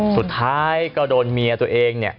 สุดท้ายก็โดนเมียตัวเอง